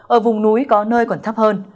ở vùng núi có nơi còn thấp hơn